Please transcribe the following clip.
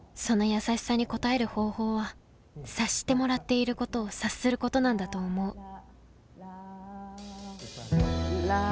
その優しさに応える方法は察してもらっていることを察することなんだと思うら。